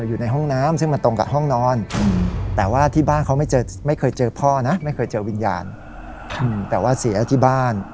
อยู่ในห้องน้ำซึ่งมันตรงกับห้องนอนแต่ว่าที่บ้านเขาไม่เคยเจอพ่อนะไม่เคยเจอวิญญาณแต่ว่าเสียที่บ้าน